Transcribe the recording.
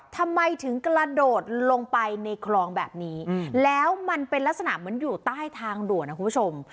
ทำไมถึงกระโดดลงไปในคลองแบบนี้แล้วมันเป็นลักษณะเหมือนอยู่ใต้ทางด่วนนะคุณผู้ชม